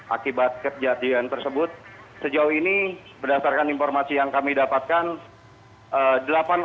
akibat kejadian tersebut sejauh ini berdasarkan informasi yang kami dapatkan